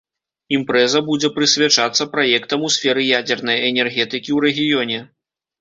Імпрэза будзе прысвячацца праектам у сферы ядзернай энергетыкі ў рэгіёне.